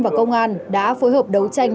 và công an đã phối hợp đấu tranh